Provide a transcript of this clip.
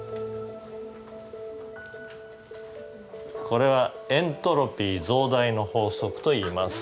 これはエントロピー増大の法則といいます。